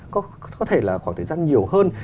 có thể là khoảng thời gian nhiều hơn